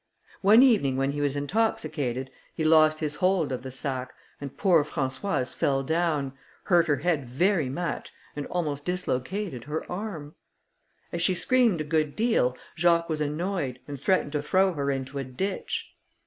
One evening when he was intoxicated, he lost his hold of the sack, and poor Françoise fell down, hurt her head very much, and almost dislocated her arm. As she screamed a good deal, Jacques was annoyed, and threatened to throw her into a ditch.